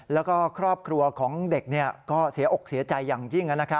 แล้วก็ครอบครัวของเด็กก็เสียอกเสียใจอย่างยิ่ง